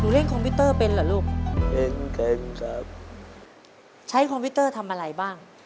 ถ้ายังไม่รู้ไหมนะครับ